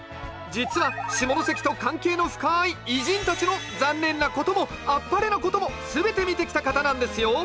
実は下関と関係の深い偉人たちのザンネンなこともアッパレなことも全て見てきた方なんですよ